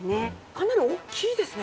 かなり大きいですね。